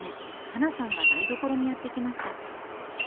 花さんが台所にやって来ました。